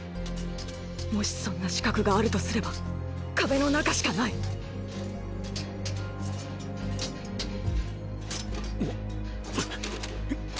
もしそんな死角があるとすれば壁の中しかないお！